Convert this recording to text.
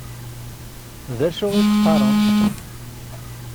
D acu i teqqaṛemt?